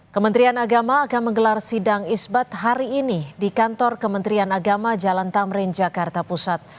kementerian agama akan menggelar sidang isbat hari ini di kantor kementerian agama jalan tamrin jakarta pusat